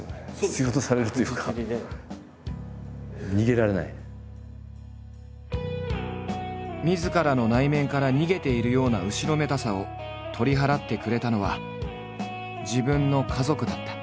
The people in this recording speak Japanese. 必要とされるというかみずからの内面から逃げているような後ろめたさを取り払ってくれたのは自分の家族だった。